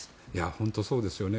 本当にそうですよね。